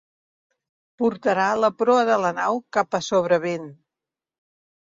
Portarà la proa de la nau cap a sobrevent.